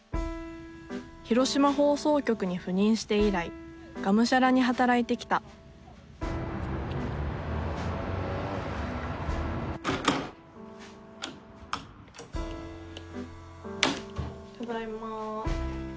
広島放送局に赴任して以来がむしゃらに働いてきたただいま。